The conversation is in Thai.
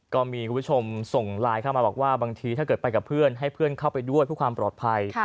ก็มีคุณผู้ชมส่งไลน์เข้ามาบอกว่าบางทีถ้าเกิดไปกับเพื่อนให้เพื่อนเข้าไปด้วยเพื่อความปลอดภัย